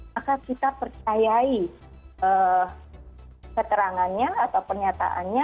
maka kita percayai keterangannya atau pernyataannya